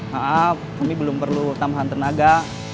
maaf kami belum perlu tambahan tenaga